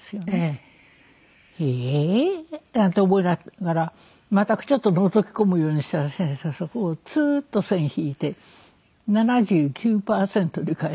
ええー！なんて思いながらまたちょっとのぞき込むようにしたら先生がそこをツーッと線引いて「７９パーセント」に変えたんです。